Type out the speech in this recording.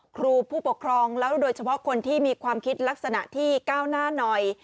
ครูผู้ปกครองแล้วโดยเฉพาะคนที่มีความคิดลักษณะที่ก้าวหน้าหน่อย